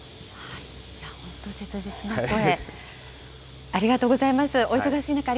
本当に切実な声。